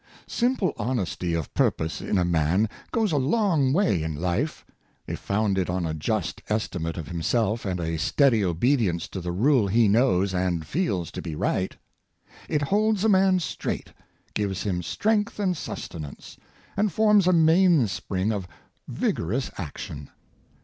Simple honesty of purpose in a man goes a long way in life, if founded on a just estimate of himself and a steady obedience to the rule he knows and feels to be right. It holds a man straight, gives him strength and sustenance, and forms a mainspring of vigorous action.